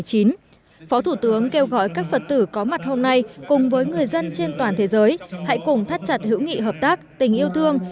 phó thủ tướng kêu gọi các phật tử có mặt hôm nay cùng với người dân trên toàn thế giới hãy cùng thắt chặt hữu nghị hợp tác tình yêu thương